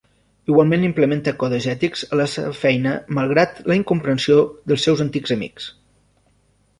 Igualment implementa codis ètics a la seva feina malgrat la incomprensió dels seus antics amics.